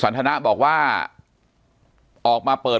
ปากกับภาคภูมิ